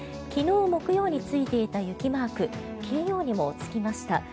昨日木曜日についていた雪マーク金曜にもつきました。